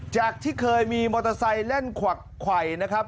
จากที่เคยมีมอเตอร์ไซค์แล่นขวักไขวนะครับ